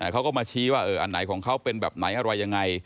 เขาก็มาชี้ว่าอันไหนของเขาเป็นแบบไหนอะไรยังไง